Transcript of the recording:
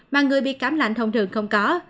mà người bị cảm lạnh thông thường không có